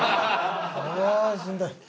ああしんどい。